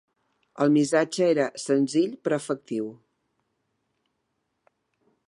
El missatge era senzill però efectiu.